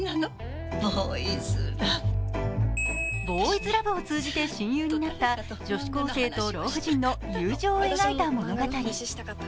ボーイズラブを通じて親友になった女子高生と老婦人の友情を描いた物語。